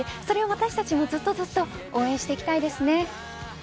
それを私たちもずっと応援していきたいです。